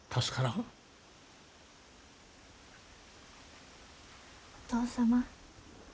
お義父様。